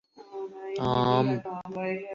عام